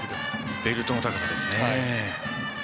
ベルトの高さですね。